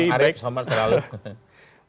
bang arief selamat malam